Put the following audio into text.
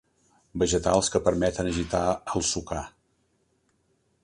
Vegetals que permeten agitar el sucar.